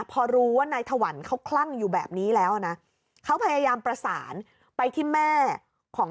พอรู้ว่านายถวันเขาคลั่งอยู่แบบนี้แล้วนะเขาพยายามประสานไปที่แม่ของ